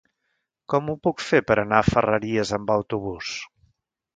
Com ho puc fer per anar a Ferreries amb autobús?